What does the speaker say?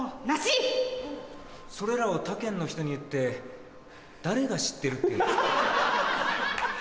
それらを他県の人に言って誰が知ってるっていうんですか。